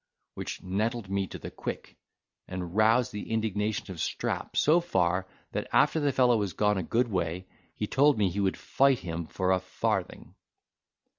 which nettled me to the quick, and roused the indignation of Strap so far that, after the fellow was gone a good way, he told me he would fight him for a farthing.